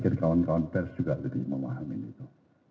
saya pikir kawan kawan pers juga lebih memahamin itu